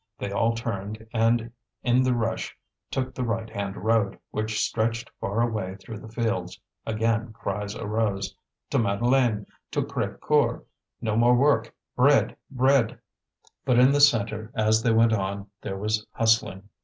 They all turned, and in the rush took the right hand road, which stretched far away through the fields. Again cries arose: "To Madeleine! To Crévecoeur! no more work! Bread! bread!" But in the centre, as they went on, there was hustling.